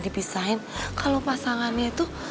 dipisahin kalau pasangannya itu